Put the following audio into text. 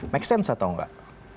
make sense atau enggak